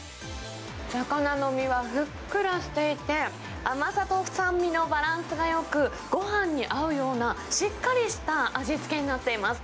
魚の身はふっくらしていて、甘さと酸味のバランスがよく、ごはんに合うような、しっかりした味付けになっています。